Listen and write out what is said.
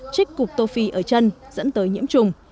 trích cục tô phi ở chân dẫn tới nhiễm trùng